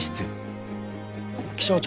気象庁